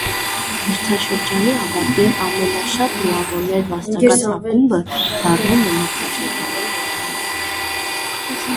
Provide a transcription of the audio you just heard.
Մրցաշրջանի ավարտին ամենաշատ միավոր վաստակած ակումբը դառնում է մրցաշրջանի արդյուքում։